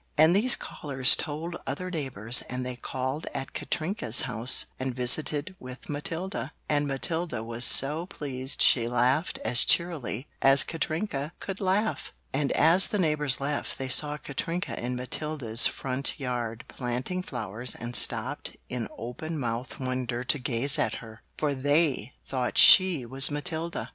And these callers told other neighbors and they called at Katrinka's house and visited with Matilda and Matilda was so pleased she laughed as cheerily as Katrinka could laugh. And as the neighbors left they saw Katrinka in Matilda's front yard planting flowers and stopped in open mouthed wonder to gaze at her, for they thought she was Matilda.